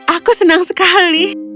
aku senang sekali